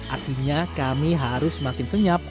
artinya kami harus semakin senyap